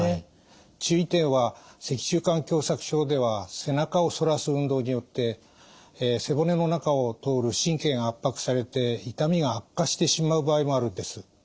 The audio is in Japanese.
注意点は脊柱管狭さく症では背中を反らす運動によって背骨の中を通る神経が圧迫されて痛みが悪化してしまう場合もあるんです。